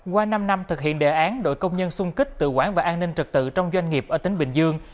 qua năm năm thực hiện đề án đội công nhân xung kích tự quản và an ninh trật tự trong doanh nghiệp ở tỉnh bình dương